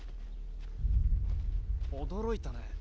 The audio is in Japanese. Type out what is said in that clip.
驚いたね